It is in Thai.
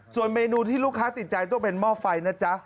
ส่วนเมนูที่ลูกค้าติดใจต้องเป็นหม้อไฟนะจ๊ะ